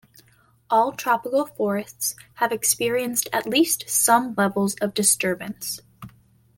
All tropical forests have experienced at least some levels of disturbance.